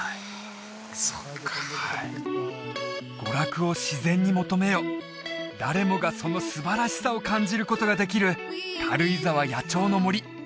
そうかはい誰もがそのすばらしさを感じることができる軽井沢野鳥の森